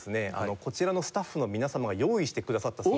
こちらのスタッフの皆様が用意してくださったそうで。